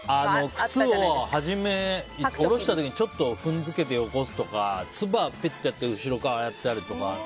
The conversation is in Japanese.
靴をおろした時にちょっと踏んづけるとかつばをぺってやったりして後ろからやったりとか。